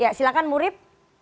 ya silahkan murid